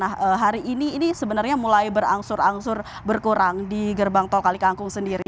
nah hari ini ini sebenarnya mulai berangsur angsur berkurang di gerbang tol kalikangkung sendiri